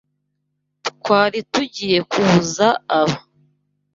Twari tugiye kuza Aba.